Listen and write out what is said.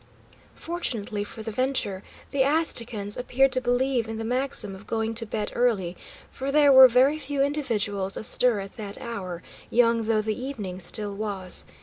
Fortunately for the venture, the Aztecans appeared to believe in the maxim of going to bed early, for there were very few individuals astir at that hour, young though the evening still was.